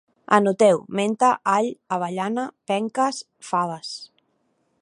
Anoteu: menta, all, avellana, penques, faves